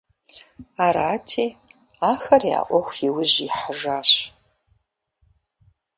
Арати, ахэр я Ӏуэху и ужь ихьэжащ.